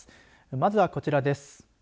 まずは、こちらです。